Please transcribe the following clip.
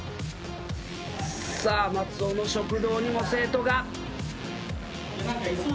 さあ松尾の食堂にも生徒が。